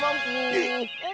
えっ⁉